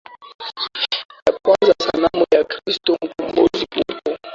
ya kwanza Sanamu ya Kristo mkombozi huko